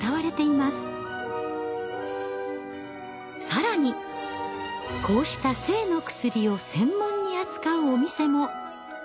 更にこうした性の薬を専門に扱うお店も。